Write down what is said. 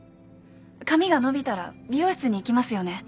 髪が伸びたら美容室に行きますよね？